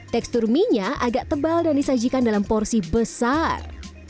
tekstur minya agak tebal dan disajikan dalam porsi besar